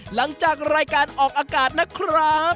หลังจากรายการออกอากาศนะครับ